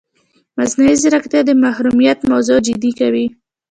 مصنوعي ځیرکتیا د محرمیت موضوع جدي کوي.